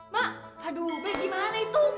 mak aduh bagaimana itu mak